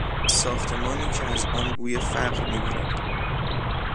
ساختمانی که از آن بوی فقر میبارد